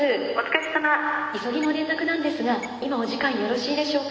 急ぎの連絡なんですが今お時間よろしいでしょうか。